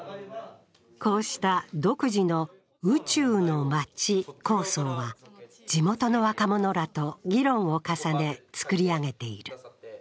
こうした、独自の宇宙の街構想は地元の若者らと議論を重ね作り上げている。